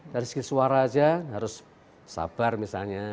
dari segi suara saja harus sabar misalnya